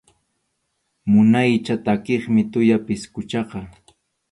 Munaycha takiqmi tuya pisquchaqa.